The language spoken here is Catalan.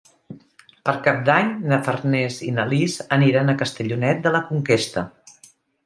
Per Cap d'Any na Farners i na Lis aniran a Castellonet de la Conquesta.